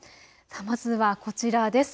まずはこちらです。